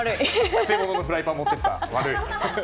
くせもののフライパンを持って行ったのが悪い。